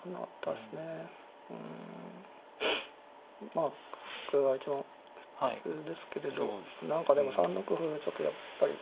まあこれが一番普通ですけれど何かでも３六歩ちょっとやっぱり。